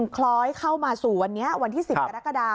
คล้อยเข้ามาสู่วันนี้วันที่๑๐กรกฎา